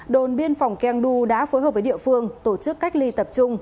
đồn biên phòng keng du đã phối hợp với địa phương tổ chức cách ly tập trung